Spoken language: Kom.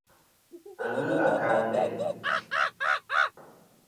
A ghɨ ankaŋ teyn.